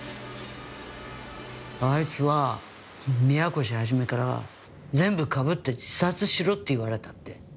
あいつは宮越肇から「全部かぶって自殺しろ」って言われたって。